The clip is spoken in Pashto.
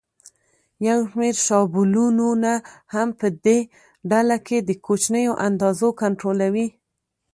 یو شمېر شابلونونه هم په دې ډله کې د کوچنیو اندازو کنټرولوي.